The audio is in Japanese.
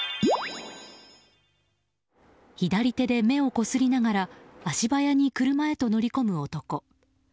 左手で目をこすりながら足早に車へと乗り込む男。